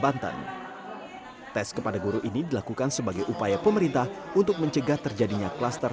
tapi sampai saat ini kita terus berkoordinasi pak kalis juga berkoordinasi dengan pak wali kota